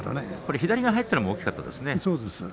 左が入ったのがよかったですね。